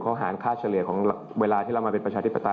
เขาหารค่าเฉลี่ยของเวลาที่เรามาเป็นประชาธิปไตย